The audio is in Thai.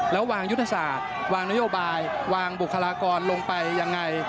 แล้ววางยุทธศาสตร์วางนโยบายวางบุคลากรลงไปยังไง